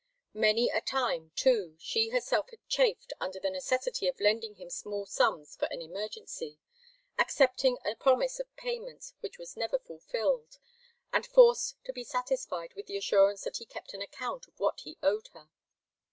Many a time, too, she herself had chafed under the necessity of lending him small sums for an emergency, accepting a promise of payment which was never fulfilled, and forced to be satisfied with the assurance that he kept an account of what he owed her.